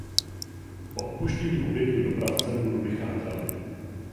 Po opuštění objektu dopravcem budovy chátraly.